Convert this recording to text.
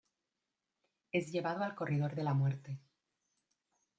Es llevado al corredor de la muerte.